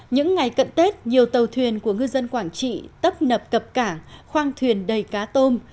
những ngày cận tết nhiều tàu thuyền của ngư dân quảng trị tấp nập cập cảng khoang thuyền đầy cá tôm